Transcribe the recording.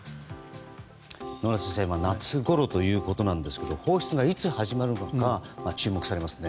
野村先生夏ごろということですが放出がいつ始まるのか注目されますね。